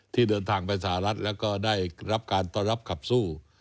ที่เดินทางไปสหรัฐแล้วก็ได้รับการต้อนรับขับสู้